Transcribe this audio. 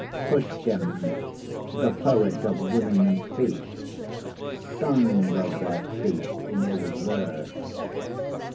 Pushkin, the poet of women's feet, sung of their feet in his verse.